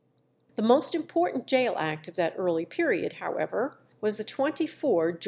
The most important gaol act of that early period, however, was the 24 Geo.